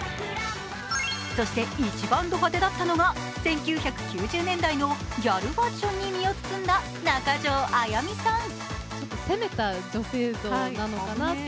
そして一番ド派手だったのが１９９０年代のギャルファッションに身を包んだ中条あやみさん。